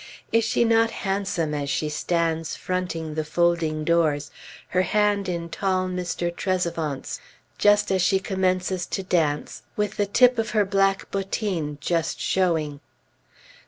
Is she not handsome as she stands fronting the folding doors, her hand in tall Mr. Trezevant's, just as she commences to dance, with the tip of her black bottine just showing?